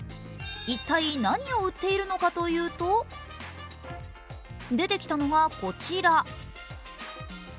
一体何を売っているのかというと出てきたのは、こちら。